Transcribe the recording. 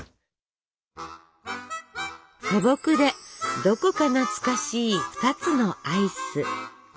素朴でどこか懐かしい２つのアイス！